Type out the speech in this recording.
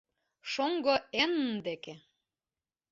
— Шоҥго Энн деке.